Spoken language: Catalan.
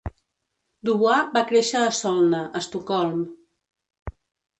Dubois va créixer a Solna, Estocolm.